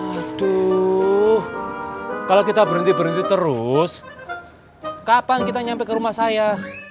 waduh kalau kita berhenti berhenti terus kapan kita nyampe ke rumah saya